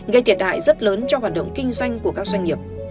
gây thiệt hại rất lớn cho hoạt động kinh doanh của các doanh nghiệp